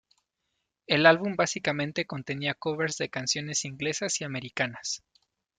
El álbum básicamente contenía covers de canciones inglesas y americanas.